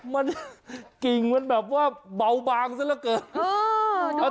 มันกิ่งมันแบบว่าเบาบางซะละเกิน